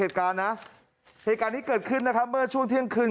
เหตุการณ์นะเหตุการณ์นี้เกิดขึ้นนะครับเมื่อช่วงเที่ยงคืน